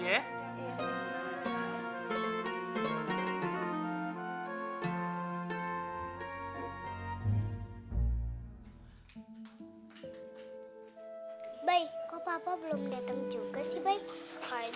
udah yang penting selamat